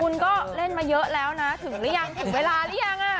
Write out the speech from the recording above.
คุณก็เล่นมาเยอะแล้วนะถึงหรือยังถึงเวลาหรือยัง